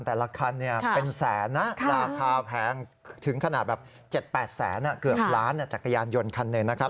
แต่ละคันเป็นแสนนะราคาแพงถึงขนาดแบบ๗๘แสนเกือบล้านจักรยานยนต์คันหนึ่งนะครับ